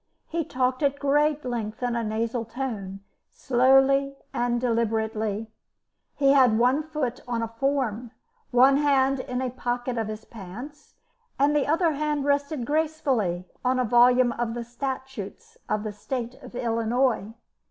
He talked at great length in a nasal tone, slowly and deliberately; he had one foot on a form, one hand in a pocket of his pants, and the other hand rested gracefully on a volume of the statutes of the State of Illinois.